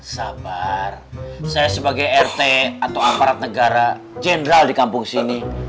sabar saya sebagai rt atau aparat negara jenderal di kampung sini